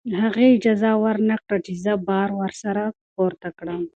هغې اجازه ورنکړه چې زه بار ورسره پورته کړم.